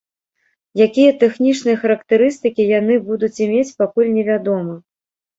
Якія тэхнічныя характарыстыкі яны будуць мець, пакуль невядома.